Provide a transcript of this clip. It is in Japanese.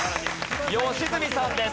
良純さんです。